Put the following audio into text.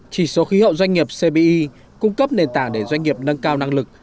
chỉ số khí hậu doanh nghiệp cbi cung cấp nền tảng để doanh nghiệp nâng cao năng lực